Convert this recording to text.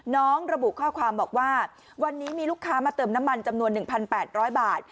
ระบุข้อความบอกว่าวันนี้มีลูกค้ามาเติมน้ำมันจำนวน๑๘๐๐บาท